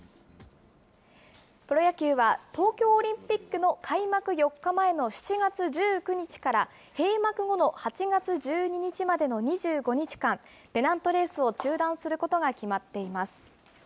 プロ野球は、東京オリンピックの開幕４日前の７月１９日から閉幕後の８月１２日までの２５日間、ペナントレースを中断することが決まっています。